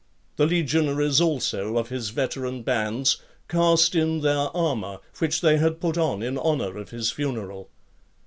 The legionaries, also, of his (54) veteran bands, cast in their armour, which they had put on in honour of his funeral.